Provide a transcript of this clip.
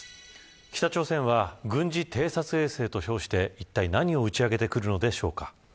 北朝鮮は軍事偵察衛星と称していったい何を打ち上げてくるのでしょうか。